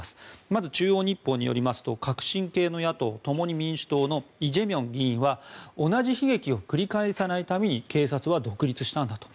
まず、中央日報によりますと革新系の野党共に民主党のイ・ジェミョン議員は同じ悲劇を繰り返さないために警察は独立したんだと。